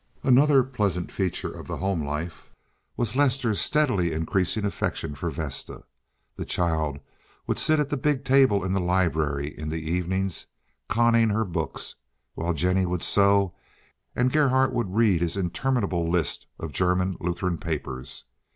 Another pleasant feature of the home life was Lester's steadily increasing affection for Vesta. The child would sit at the big table in the library in the evening conning her books, while Jennie would sew, and Gerhardt would read his interminable list of German Lutheran papers.